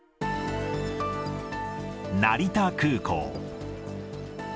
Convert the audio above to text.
成田空港。